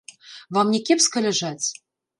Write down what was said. Вам не кепска ляжаць?